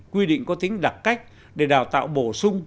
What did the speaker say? quy định có tính đặc cách để đào tạo bổ sung